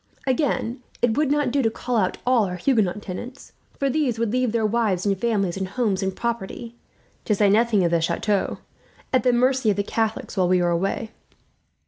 Again, it would not do to call out all our Huguenot tenants; for this would leave their wives and families and homes and property, to say nothing of the chateau, at the mercy of the Catholics while they were away.